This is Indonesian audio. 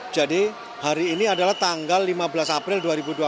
hari ini adalah tanggal lima belas april dua ribu dua puluh